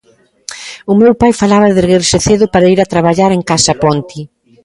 O meu pai falaba de erguerse cedo para ir a traballar en Casa Ponti.